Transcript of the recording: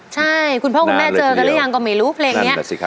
ใช่คุณพ่อคุณแม่เจอกันหรือยังก็ไม่รู้เพลงนี้